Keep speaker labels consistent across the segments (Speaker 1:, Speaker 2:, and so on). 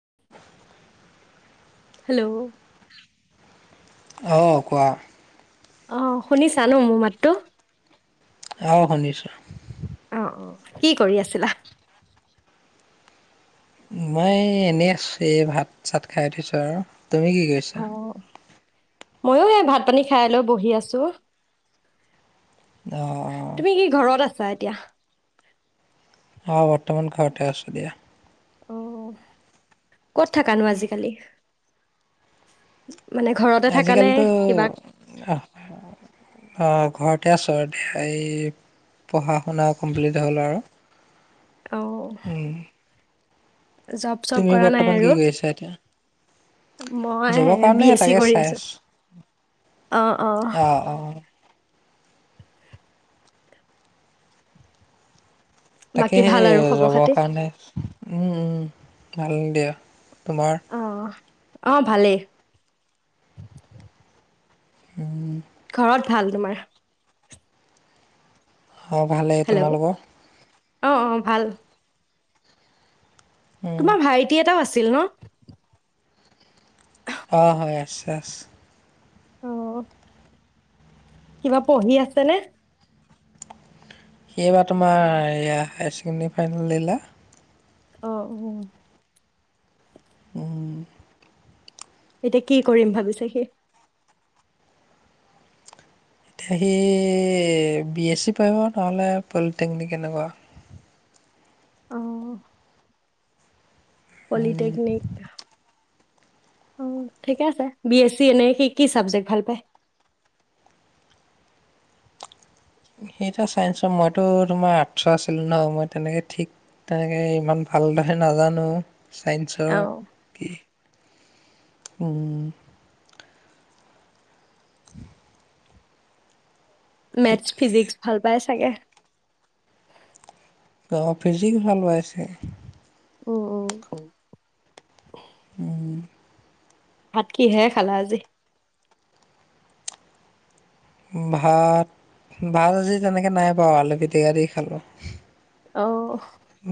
Speaker 1: [unintelligible]
Speaker 2: Hello.
Speaker 1: অহ কোৱা।
Speaker 2: অহ শুনিছানহ মোৰ মাততো।
Speaker 1: অহ শুনিছো।
Speaker 2: অহ কি কৰি আছিলা?
Speaker 1: মই এনেই আছো, এই ভাত চাত খাই উঠিছোঁ আৰু। তুমি কি
Speaker 2: অ
Speaker 1: কৰিছা?
Speaker 2: ময়ো এই ভাত পানী খাই লৈ বহি আছো।
Speaker 1: অহ
Speaker 2: তুমি কি ঘৰত আছা এতিয়া?
Speaker 1: অহ বৰ্তমান ঘৰতে আছো দিয়া।
Speaker 2: অহ ক'ত থাকানো আজিকালি? উমচ উম মানে ঘৰতে থাকা নে
Speaker 1: আজিকালিতো
Speaker 2: কিবা
Speaker 1: অ', অ', ঘৰতে আছো আৰু দে পঢ়া শুনা কমপ্লিট হ'ল আৰু
Speaker 2: অ
Speaker 1: উম
Speaker 2: জব চব কৰা নাই
Speaker 1: কি
Speaker 2: আৰু
Speaker 1: কৰিছা এতিয়া? জবৰ
Speaker 2: মই
Speaker 1: কাৰণে
Speaker 2: বি এছ চি
Speaker 1: তাকে
Speaker 2: কৰি
Speaker 1: চাই
Speaker 2: আছো
Speaker 1: আছোঁ
Speaker 2: অ অ বাকী
Speaker 1: তাকে সেই
Speaker 2: ভাল আৰু খবৰ
Speaker 1: জবৰ
Speaker 2: খাতি
Speaker 1: কাৰণে উম উম ভাল দিয়া তোমাৰ
Speaker 2: অ অ ভালেই
Speaker 1: উম
Speaker 2: ঘৰত ভাল তোমাৰ
Speaker 1: অঁ ভালেই
Speaker 2: হেল্ল'
Speaker 1: তোমালোকৰ
Speaker 2: অ অ ভাল
Speaker 1: উম,
Speaker 2: তোমাৰ ভাইটি এটাও আছে ছিল ন
Speaker 1: অ হয় আছে আছে
Speaker 2: অহ কিবা পঢ়ি আছে নে
Speaker 1: এইবাৰ তোমাৰয়া হায়াৰ ছেকেণ্ডেৰী ফাইনেল দিলে
Speaker 2: অহ অ
Speaker 1: উম
Speaker 2: এতিয়া কি কৰিম ভাবিছে সি
Speaker 1: এতিয়া সি বি এছ চি পঢ়িব নহ'লে পলিটেকনিক এনেকুৱা
Speaker 2: অ', পলিটেকনিক অ ঠিকে আছে বি এছ চি এনেই কি কি চাবজেক্ট ভাল পায়
Speaker 1: সেই চাইন্সৰ মইতো তোমাৰ আৰ্টছৰ আছিলো ন মই তেনেকে ঠিক তেনেকে ইমান ভালদৰে নাজানো চাইন্সৰ
Speaker 2: অ',
Speaker 1: কি উম
Speaker 2: মেথছ ফিজিক্স ভাল পাই চাগে
Speaker 1: অ ফিজিক্স ভাল পাইছে
Speaker 2: উম উ
Speaker 1: উম
Speaker 2: ভাত কিহেৰে খালা আজি
Speaker 1: ভাত ভাত আজি তেনেকৈ নাই বাওঁ আলু পিটিকা দি খালোঁ
Speaker 2: অ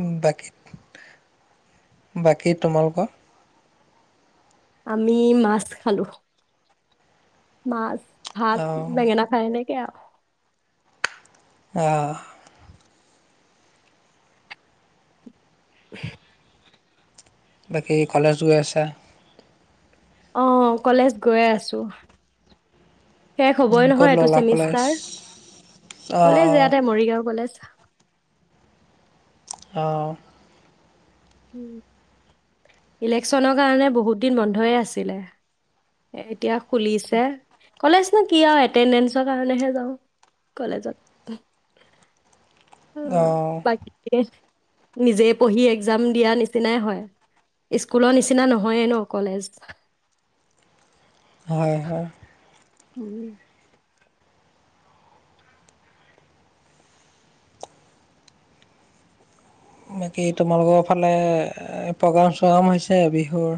Speaker 1: উম বাকী বাকী তোমালোকৰ?
Speaker 2: আমি মাছ খালো মাছ। ভাত
Speaker 1: অঁ
Speaker 2: বেঙেনা ফ্ৰাই নে সেইয়া
Speaker 1: অ।
Speaker 2: [inaudible]
Speaker 1: বাকী কলেজ গৈ আছা?
Speaker 2: অহ কলেজ গৈ আছো। শেষ হ'বই
Speaker 1: উম, ক'ত
Speaker 2: নহয় এইটো
Speaker 1: ল'লা কলেজ
Speaker 2: ছেমিষ্টাৰ।
Speaker 1: অঁ
Speaker 2: কলেজ
Speaker 1: অঁ
Speaker 2: ইয়াতে মৰিগাঁও কলেজ।
Speaker 1: অ।
Speaker 2: উম ইলেকশ্যনৰ কাৰণে বহুত দিন বন্ধয়ে আছিলে। এই এতিয়া খুলিছে। কলেজ নো কি আৰু এটেণ্ডেঞ্চৰ কাৰণেহে যাওঁ কলেজত। অ বাকী নিজে পঢ়ি একজাম দিয়া নিচিনাই হয়। স্কুলৰ নিচিনা নহয়ে ন কলেজ।
Speaker 1: হয় হয়।
Speaker 2: উম।
Speaker 1: বাকী তোমালোকৰ ফালে প্ৰগ্ৰাম-চগ্ৰাম হৈছে বিহুৰ?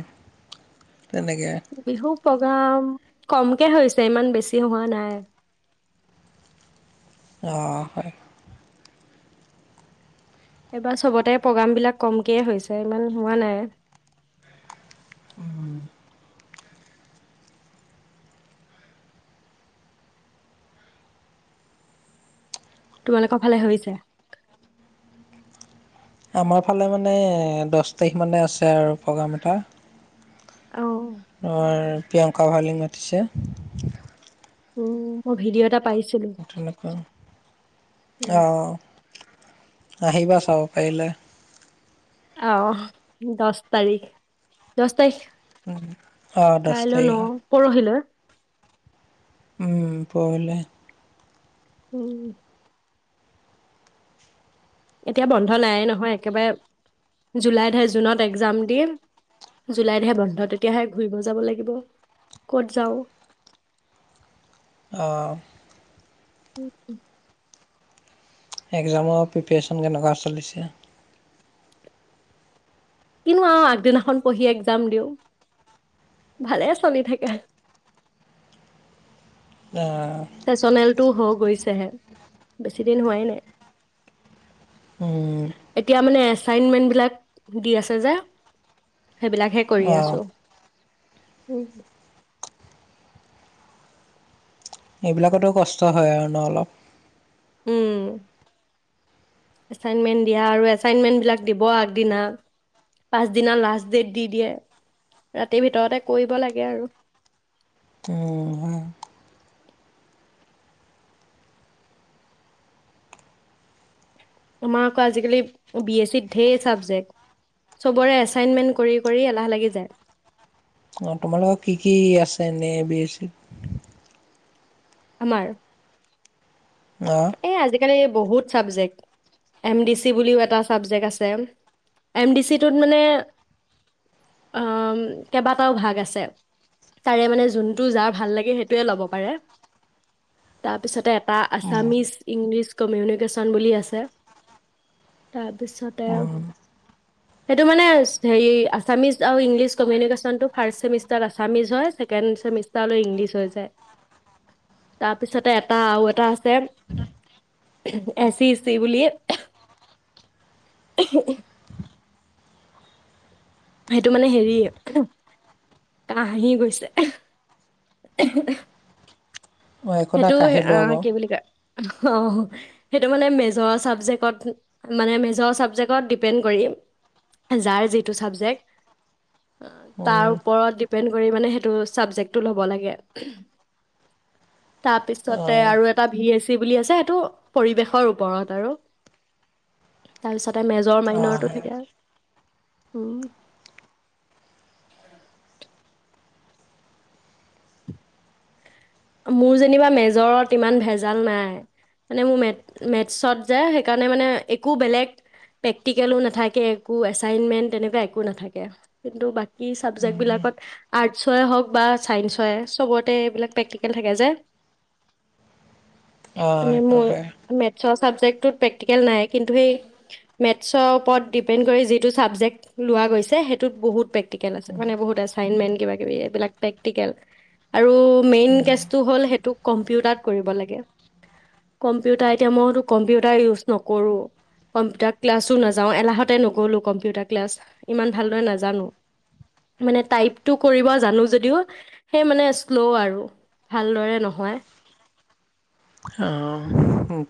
Speaker 1: তেনেকে।
Speaker 2: বিহু প্ৰগ্ৰাম কমকে হৈছে ইমান বেছি হোৱা নাই।
Speaker 1: অ হয়।
Speaker 2: এইবাৰ চবতে প্ৰগ্ৰামবিলাক কমকেই হৈছে ইমান হোৱা নাই।
Speaker 1: উম।
Speaker 2: তোমালোকৰ ফালে হৈছে?
Speaker 1: আমাৰ ফালে মানে দচ তাৰিখ মানে আছে আৰু প্ৰগ্ৰাম এটা।
Speaker 2: অ',
Speaker 1: অ। প্ৰিয়ংকা ভৰালীক মাতিছে।
Speaker 2: উম মোৰ ভিডিঅ' এটাত উম,
Speaker 1: তেনেকুৱা অহ। আহিবা চাব পাৰিলে।
Speaker 2: অহ দচ তাৰিখ দচ তাৰিখ
Speaker 1: অ', দহ
Speaker 2: কাইলৈ ন
Speaker 1: তাৰিখে
Speaker 2: পৰহিলৈ?
Speaker 1: উম পৰহিলে।
Speaker 2: উম। এতিয়া বন্ধ নাইয়ে নহয়, একেবাৰে জুলাইতহে জুনত একজাম দিম, জুলাইতহে বন্ধ তেতিয়াহে ঘূৰিব যাব লাগিব ক'ত যাওঁ।
Speaker 1: অহ।
Speaker 2: উম।
Speaker 1: একজামৰ প্ৰিপেৰেচন কেনেকুৱা চলিছে?
Speaker 2: কিনো আৰু আগদিনাখন পঢ়ি একজাম দিওঁ ভালে চলি থাকে।
Speaker 1: অ।
Speaker 2: [unintelligible] গৈচেহে বেচি দিন হোৱা এ নাই।
Speaker 1: উম।
Speaker 2: এছাইনমেণ্ট বিলাক দি আছে যে। সেইবিলাকহে কৰি
Speaker 1: অ',
Speaker 2: আছো উ
Speaker 1: এইবিলাকতো কষ্ট হয় আৰু ন অলপ
Speaker 2: এচাইণ্ডমেনদিয়া আৰুএচাইণ্ডমেন বিলাক দিব আগদিনা পিছদিনা দি দিয়ে ৰাতিৰ ভিতৰতে কৰিব লাগ আৰু
Speaker 1: ত হ
Speaker 2: আমাৰ আকৌ আজিকালি বি এছ চিত ঢেৰ চাবজেক্ট চবৰে এছাইনমেন্ট কৰি কৰি এলাহ লাগি যায়
Speaker 1: অ তোমাল লগোকৰ কি কি আছে এনে বি চ
Speaker 2: আমাৰ
Speaker 1: আহ
Speaker 2: এই আজিকালি বহুত চাবজেক্ট এম ডি চি বুলিও এটা চাবজেক্ট আছে এম ডি চিটোত মানে অ কেইবাটাও ভাগ আছে তাৰে মানে যোনটো যাৰ ভাল লাগে সেইটোয়ে ল'ব পাৰে তাৰপিছতে এটা আছে আছামিজ ইংলিছ কমিউনিকেশ্যন বুলি আছে তাৰপিছতে সেইটো মানে হেৰি আছামিজ আৰু ইংলিছ কমিউনিকেশ্যনটো ফাৰ্ষ্ট চেমিষ্টাৰত আছামিজ হয় ছেকেণ্ড চেমিষ্টাৰলৈ ইংলিছ হৈ যায় তাৰপিছতে এটা আৰু এটা এছি স্তি বলে সেইটো মানে হেৰিয়ে কাহহি গৈছে
Speaker 1: অ একো নাই
Speaker 2: সেইটো
Speaker 1: কাঢ়ি
Speaker 2: অ
Speaker 1: লোৱা বাৰু
Speaker 2: কি বুলি কয় অ সেইটো মানে মেজৰ চাবজেক্টত মানে মেজৰ চাবজেক্টত ডিপেণ্ড কৰি যাৰ যিটো ছাবজেক্ট তাৰ
Speaker 1: উম
Speaker 2: ওপৰত ডিপেণ্ড কৰি মানে সেইটো ছাবজেক্টটো ল'ব লাগে
Speaker 1: অ
Speaker 2: তাৰপিছতে আৰু এটা ভি এ চি বুলি আছে সেইটো পৰিৱেশৰ ওপৰত আৰু তাৰ পিছতে মেজৰ
Speaker 1: অ
Speaker 2: মাইনৰৰতটো থাকে
Speaker 1: অ
Speaker 2: আৰু উম মোৰ যেনিবা মেজৰত ইমান ভেজাল নাই মানে মোৰ মে মেথছত যে সেইকাৰণে মানে একো বেলেগ প্ৰেক্টিকেলো নাথাকে একো এচাইনমেণ্ট তেনেকুৱা একো নাথাকে কিন্তু বাকী চাবজেক্টবিলাকত আৰ্টছই হওক বা ছাইসই সবতে এইবিলাক প্ৰেকট থাকে যে মানে
Speaker 1: অটো
Speaker 2: মোৰ মেথছৰ ছাবজেক্টটোত প্ৰেক্টিকেল নাই কিন্তু সেই মেথছৰ ওপৰত ডিপেণ্ড কৰি যিটো ছাবজেক্ট লোৱা গৈছে সেইটোত বহুত প্ৰেক্টিকেল আছে মানে বহুত এছাইনমেণ্ট কিব কিবি এইবিলাক প্ৰেক্টিকেল আৰু মেইন টো হ'ল সেইটো কম্পিউটাৰ কৰিব লাগে কম্পিউটাৰ এতিয়া মইতো কম্পিউটাৰ ইউজ নকৰোঁ কম্পিউটাৰ ক্লাছো নাযাওঁ এলাহতে নকৰ'লোঁ কম্পিউটাৰ ক্লাছ ইমান ভালদৰে নাজানো মানে টাইপটো কৰিব জানো যদিও সেই মানে শ্ল' আৰু ভালদৰে নহয়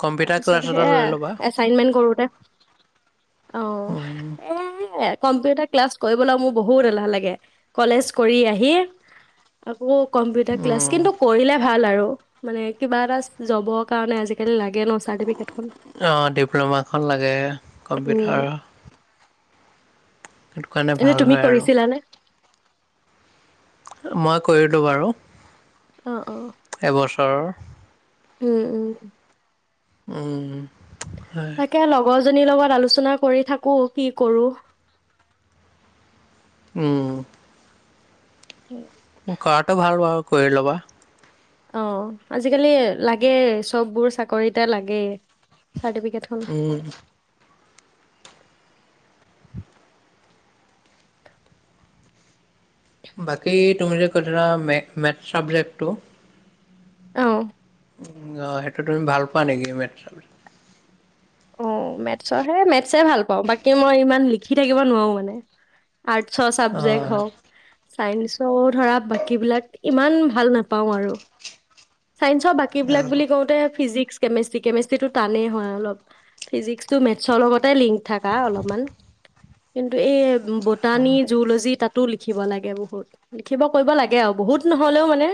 Speaker 1: কম্পিউটাৰ ক্লাছ এটা লৈ ল'বা
Speaker 2: অ
Speaker 1: উম
Speaker 2: এ কম্পিউটাৰ ক্লাছ কৰিবলৈ মোৰ বহুত এলাহ লাগে কলেজ কৰি আহি আকৌ কম্পিউটাৰ ক্লাছ
Speaker 1: উম
Speaker 2: কিন্তু কৰিলে ভাল আৰু মানে কিবা এটা যাবৰ কাৰণে আজিকালি লাগে ন চাৰ্টিফিকেট
Speaker 1: অঁ ডিপ্ল'মাখন লাগে
Speaker 2: উম
Speaker 1: কম্পিউটাৰ সেইটো কাৰণে
Speaker 2: এনে
Speaker 1: ভাল
Speaker 2: তুমি
Speaker 1: হয় আৰু
Speaker 2: কৰিছিলাানে
Speaker 1: মই কৰিলো বাৰু
Speaker 2: অ অ
Speaker 1: এবছৰৰ
Speaker 2: উম উম উ
Speaker 1: উম হয়
Speaker 2: তাকে লগৰ জনীৰ লগত আলোচনা কৰি থাকো কি কৰো
Speaker 1: উম
Speaker 2: উম
Speaker 1: কৰাটো ভাল বাৰু কৰি ল'বা
Speaker 2: অ আজিকালি লাগেই চববোৰ চাকৰিতে লাগেই চাৰ্টিফিকেটখন [inaudible]
Speaker 1: উম বাকী তুমি যে কথা মে চাবজেক্টটো
Speaker 2: আহ
Speaker 1: অঁ সেইটো তুমি ভাল পোৱা নেকি মেট্ৰাল
Speaker 2: অ মেথছৰ সেই মেথছেই ভাল পাওঁ বাকী মই ইমান লিখি থাকিব নোৱাৰো মানে আৰ্টছ চাব্জেক্ট
Speaker 1: অ
Speaker 2: হওক চাইন্সও ধৰা বাকীবলাক ইমান ভাল নাপাওঁ আৰু ছাইন্সৰ বাকীবিলাক
Speaker 1: অ
Speaker 2: বুলি কওঁতে ফিজিক্স কেমেষ্ট্ৰি কেমেষ্ট্ৰিটো টানেই হয় অলপ ফিজিক্সটো মেথছৰ লগতে লিংক থাকা অলপমান কিন্তু এই বুটানী জুলজি তাতো লিখিব লাগে বহুত লিখিব কৰিব লাগে আৰু বহুত নহ'লেও মানে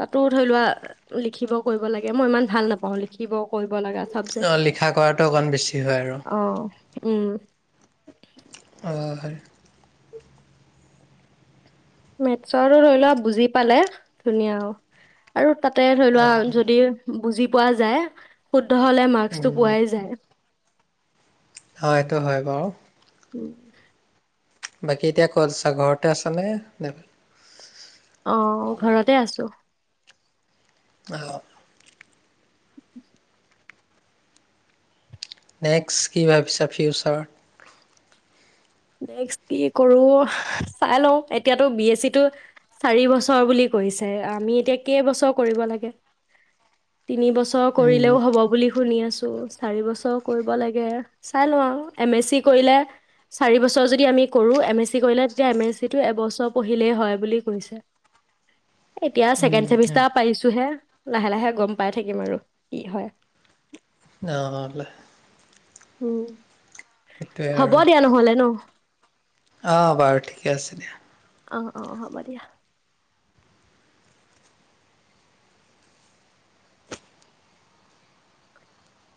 Speaker 2: তাতো। ধৰি লোৱা লিখিব কৰিব লাগে মই ইমান ভাল নাপাওঁ লিখিব কৰিব লগা। চাবজেক্ট
Speaker 1: লিখা কৰাটো অকণমান বেছি হয় আৰু।
Speaker 2: অ উম।
Speaker 1: অ হয়
Speaker 2: মেথছৰো ধৰি লোৱা বুজি পালে ধুনীয়া আৰু তাতে ধৰি
Speaker 1: অ
Speaker 2: লোৱা যদি বুজি পোৱা যায় শুদ্ধ হ'লে মাৰ্কছটো
Speaker 1: উম
Speaker 2: পোৱাই যায়।
Speaker 1: অ সেইটো হয় বাৰু। বাকী এতিয়া কত আছা ঘৰতে আছা নে নাই
Speaker 2: অ ঘৰতে আছো উ
Speaker 1: নেক্সট কি ভাবিছা ফিউচাৰ।
Speaker 2: নেক্স কি কৰো চাই লওঁ এতিয়াতো বি এছ চি টো চাৰি বছৰ বুলি কৈছে আমি এতিয়া কেইবছৰ কৰিব লাগে তিনি বছৰ কৰিলেও
Speaker 1: উম
Speaker 2: হ'ব বুলি শুনি আছো চাৰি বছৰ কৰিব লাগে চাই লওঁ আৰু এম এছ চি কৰিলে। চাৰি বছৰ যদি আমি কৰোঁ এম এছ চি কৰিলে তেতিয়া এম এছ চিটো এবছৰ পঢ়িলেই হয় বুলি কৈছে এতিয়া ছেকেণ্ড
Speaker 1: উম
Speaker 2: চেমিষ্টাৰ পাইছোঁহে লাহে লাহে গম পাই থাকিম আৰু কি হয়।
Speaker 1: অ
Speaker 2: উ।
Speaker 1: সেইটোৱে আৰু
Speaker 2: ন
Speaker 1: অঁ বাৰু ঠিকে আছে দিয়া।
Speaker 2: অ অ হ'ব দিয়া।